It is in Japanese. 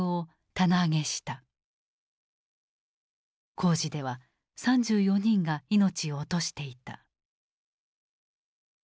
工事では３４人が命を落としていた。